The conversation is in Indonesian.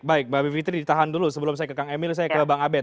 baik mbak bivitri ditahan dulu sebelum saya ke kang emil saya ke bang abed